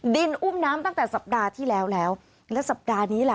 ดินอุ้มน้ำตั้งแต่สัปดาห์ที่แล้วแล้วสัปดาห์นี้ล่ะ